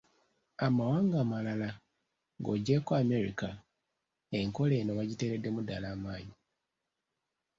Amawanga amalala ng’oggyeeko Amerika enkola eno bagiteereddemu ddalala amaanyi.